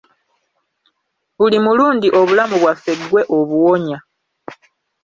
Buli mulundi obulamu bwaffe ggwe obuwonya.